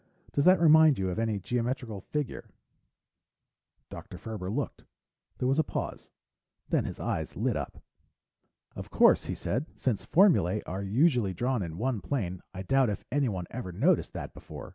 "Does that remind you of any geometrical figure?" Dr. Ferber looked. There was a pause, then his eyes lit up. "Of course," he said. "Since formulae are usually drawn in one plane, I doubt if anyone ever noticed that before.